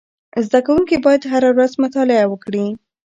زده کوونکي باید هره ورځ مطالعه وکړي.